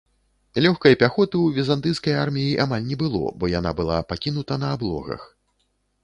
Лёгкай пяхоты ў візантыйскай арміі амаль не было, бо яна была пакінута на аблогах.